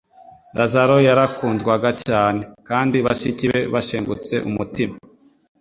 Lazaro yarakundwaga cyane, kandi bashiki be bashengutse umutima,